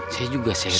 saya juga serius kum